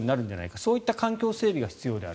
そういった環境整備が必要である。